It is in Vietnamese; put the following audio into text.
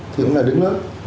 thì cũng là đứng lớp